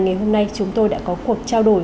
ngày hôm nay chúng tôi đã có cuộc trao đổi